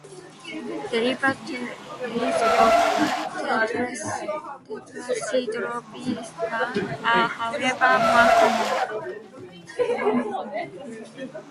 Derivatives of tetrahydropyran are, however, more common.